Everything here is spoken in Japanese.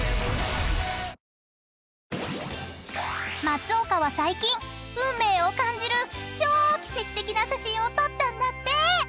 ［松岡は最近運命を感じる超奇跡的な写真を撮ったんだって］